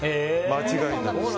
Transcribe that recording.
間違いないです。